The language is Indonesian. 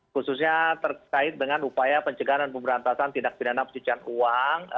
khususnya terkait dengan upaya pencegahan dan pemberantasan tindak pidana pencucian uang